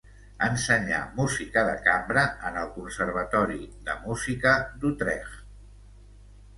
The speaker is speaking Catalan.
Ensenyà música de cambra en el Conservatori de Música d’Utrecht.